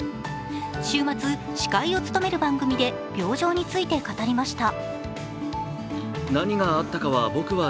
週末、司会を務める番組で病状について語りました。